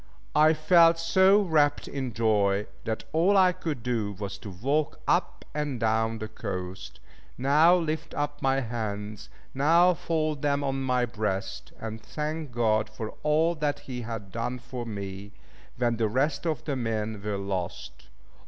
I felt so wrapt in joy, that all I could do was to walk up and down the coast, now lift up my hands, now fold them on my breast, and thank God for all that He had done for me, when the rest of the men were lost.